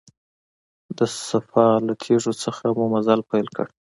د صفا له تیږو نه مو مزل پیل کړ.